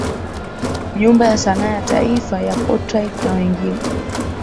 Nyumba ya sanaa ya Taifa ya Portrait na wengine